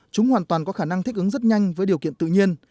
chúng hoàn toàn có khả năng thích ứng rất nhanh với điều kiện tự nhiên